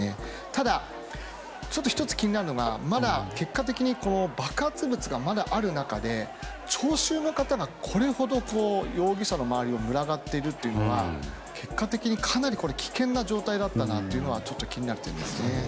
ただ、１つ気になるのが結果的に爆発物がまだ、ある中聴衆の方がこれほど容疑者の周りに群がっているというのは結果的にかなり危険な状態だったなというのは気になる点ですね。